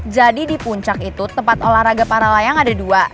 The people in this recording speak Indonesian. jadi di puncak itu tempat olahraga para layang ada dua